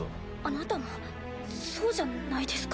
あなたもそうじゃないですか。